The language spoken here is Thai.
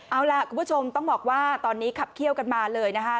เอาล่ะคุณผู้ชมต้องบอกว่าตอนนี้ขับเขี้ยวกันมาเลยนะคะ